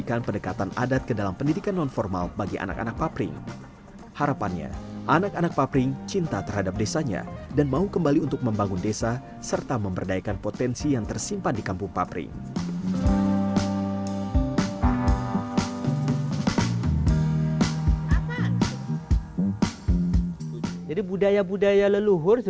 kenapa banyak masyarakat yang masih belum mau sekolah sampai kelas